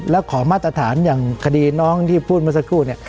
แล้วขอมาตรฐานอย่างคดีน้องที่พูดมาสักครู่